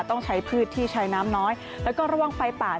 ต้องใช้พืชที่ใช้น้ำน้อยแล้วก็ระวังไฟป่าจากฝีมือมนุษย์